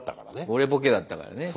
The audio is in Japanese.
俺ボケだったからね。